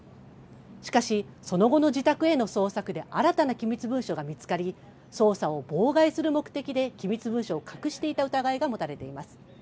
しかし、その後の自宅への捜索で新たな機密文書が見つかり捜査を妨害する目的で機密文書を隠していた疑いが持たれています。